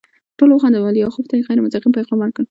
ټولو وخندل او لیاخوف ته یې غیر مستقیم پیغام ورکړ